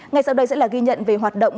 ngay sau đây sẽ là ghi nhận về hoạt động